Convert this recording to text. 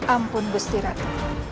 ampun gusti ratu